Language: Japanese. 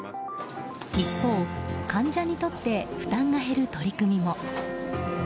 一方、患者にとって負担が減る取り組みも。